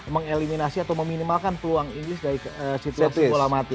mengeliminasi atau meminimalkan peluang inggris dari situasi bola mati